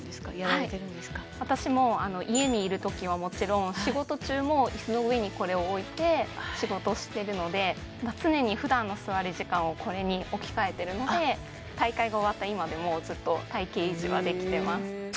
はい私もう家にいるときはもちろん仕事中も椅子の上にこれを置いて仕事してるので常にふだんの座り時間をこれに置き換えてるので大会が終わった今でもずっと体形維持はできてます